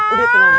udah tenang aja